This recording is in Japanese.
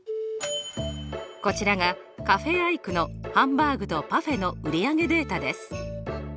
こちらがカフェ・アイクのハンバーグとパフェの売り上げデータです。